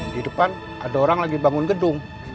di depan ada orang lagi bangun gedung